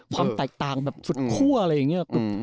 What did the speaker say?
ความแตกต่างแบบสุดคั่วอะไรอย่างนี้